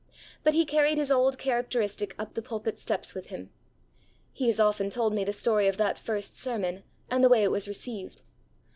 But he carried his old characteristic up the pulpit steps with him. He has often told me the story of that first sermon and the way it was received.